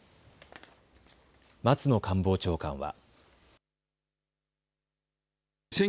松野官房長官は。